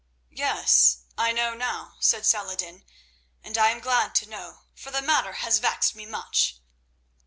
"Yes, I know now," said Saladin, "and I am glad to know, for the matter has vexed me much."